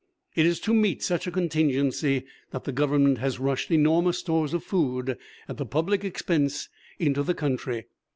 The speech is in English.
It is to meet such a contingency that the Government has rushed enormous stores of food at the public expense into the country.